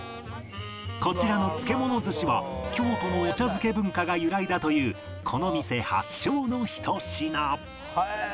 こちらの漬け物寿司は京都のお茶漬け文化が由来だというこの店発祥のひと品